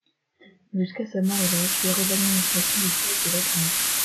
Jusqu'à sa mort, il a assuré l'administration du Théâtre de l'Athénée.